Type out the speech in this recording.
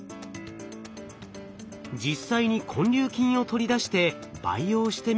実際に根粒菌を取り出して培養してみると。